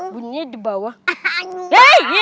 bunyinya di bawah